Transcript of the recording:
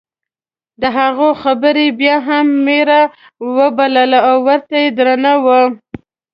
د هغه خبره یې بیا هم میره وبلله او ورته درنه وه.